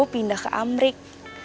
pindah ke amrik